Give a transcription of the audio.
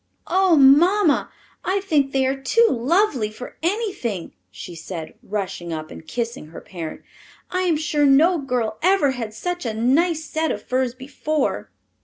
"Oh, mamma, I think they are too lovely for anything!" she said, rushing up and kissing her parent. "I am sure no girl ever had such a nice set of furs before!"